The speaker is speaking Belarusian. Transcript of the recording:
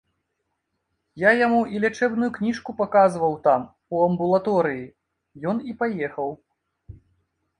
Я яму і лячэбную кніжку паказваў там, у амбулаторыі, ён і паехаў.